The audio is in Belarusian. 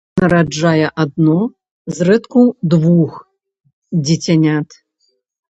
Нараджае адно, зрэдку двух дзіцянят.